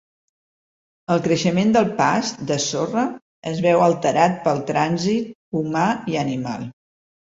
El creixement del past de sorra es veu alterat pel transit humà i animal.